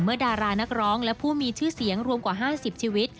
ดารานักร้องและผู้มีชื่อเสียงรวมกว่า๕๐ชีวิต